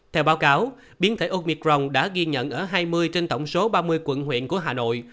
theo báo cáo biến thể omicron đã ghi nhận ở hai mươi trên tổng số ba mươi quận huyện của hà nội